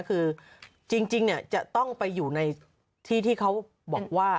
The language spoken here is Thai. คือจริงจะต้องไปอยู่ในที่ที่เขาบอกว่า